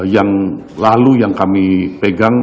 yang lalu yang kami pegang